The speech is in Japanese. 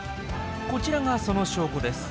こちらがその証拠です。